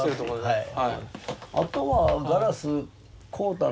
はい。